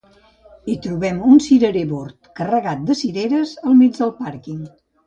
I trobem un cirerer bord carregat de cireres al mig del pàrquing